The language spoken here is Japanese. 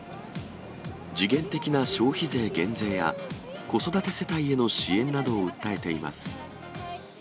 時限的な消費税減税や、子育て世帯への支援などを訴えています。